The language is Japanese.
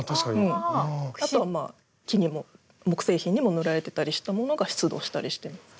あとは木にも木製品にも塗られてたりしたものが出土したりしてます。